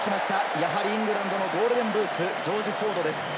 やはりイングランドのゴールデンブーツ、ジョージ・フォードです。